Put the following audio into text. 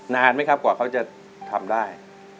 นานไหมครับกว่าเขาจะทำได้